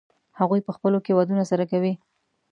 هغوی په خپلو کې ودونه سره کوي.